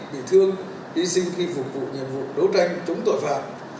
bị thương hy sinh khi phục vụ nhiệm vụ đấu tranh chống tội phạm